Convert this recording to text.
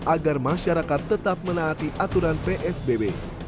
agar masyarakat tetap menaati aturan psbb